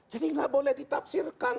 jadi tidak boleh ditafsirkan